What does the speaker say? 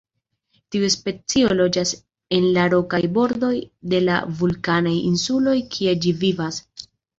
Tiu specio loĝas en la rokaj bordoj de la vulkanaj insuloj kie ĝi vivas.